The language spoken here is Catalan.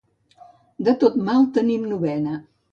De tot mal tenim novena.